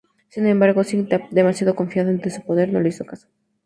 Sin embargo, Singh Thapa, demasiado confiado de su poder, no le hizo caso.